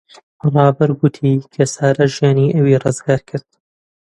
ڕابەر گوتی کە سارا ژیانی ئەوی ڕزگار کرد.